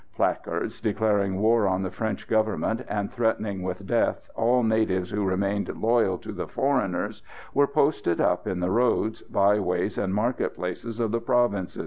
Placards declaring war on the French Government, and threatening with death all natives who remained loyal to the foreigners, were posted up in the roads, by ways and market places of the province.